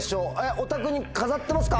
お宅に飾ってますか？